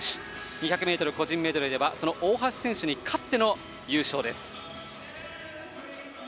２００ｍ個人メドレーでは大橋選手に勝っての優勝です。